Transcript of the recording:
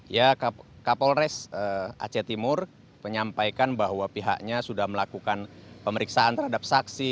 ya kapolres aceh timur menyampaikan bahwa pihaknya sudah melakukan pemeriksaan terhadap saksi